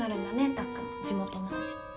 たっくんも地元の味。